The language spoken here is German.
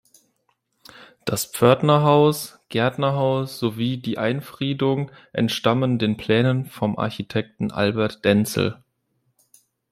Das Pförtnerhaus, Gärtnerhaus sowie die Einfriedung entstammen den Plänen vom Architekten Albert Denzel.